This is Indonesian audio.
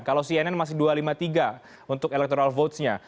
kalau cnn masih dua ratus lima puluh tiga untuk electoral votesnya